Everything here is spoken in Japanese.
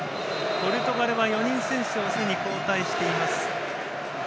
ポルトガルは４人選手をすでに交代しています。